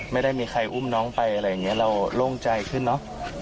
ไม่ได้มีใครอุ้มน้องไปอะไรอย่างนี้เราโล่งใจขึ้นเนอะ